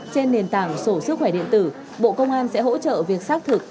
trên nền tảng số sức khỏe điện tử bộ công an sẽ hỗ trợ việc xác thực